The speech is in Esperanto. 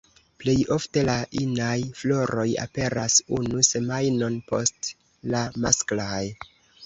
Plej ofte la inaj floroj aperas unu semajnon post la masklaj.